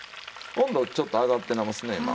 温度ちょっと上がってますね